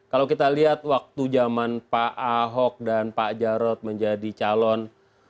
kalau kita lihat waktu zaman pak ahok dan pak jarod menjadi calon